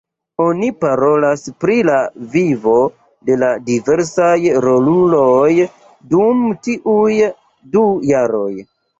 Oni parolas pri la vivo de la diversaj roluloj dum tiuj du jaroj.